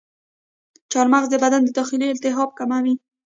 چارمغز د بدن داخلي التهابات کموي.